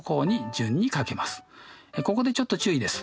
ここでちょっと注意です。